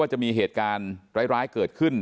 ตลอดทั้งคืนตลอดทั้งคืน